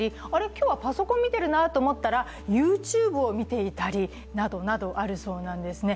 今日はパソコン見ているなと思ったら、ＹｏｕＴｕｂｅを見ていたりなどなどあるそうなんですね。